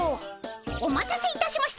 お待たせいたしました。